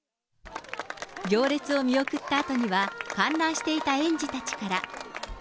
行列を見送ったあとには、観覧していた園児たちから。